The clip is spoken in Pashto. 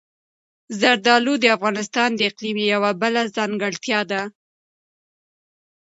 زردالو د افغانستان د اقلیم یوه بله ځانګړتیا ده.